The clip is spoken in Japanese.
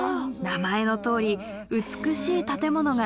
名前のとおり美しい建物が並びます。